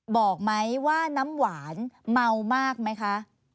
บอกไหมว่าน้ำหวานเมามากไหมคะ